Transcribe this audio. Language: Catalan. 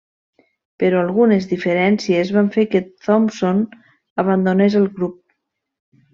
Però algunes diferències van fer que Thompson abandonés el grup.